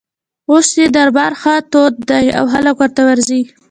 اوس یې دربار ښه تود دی او خلک ورته ورځي.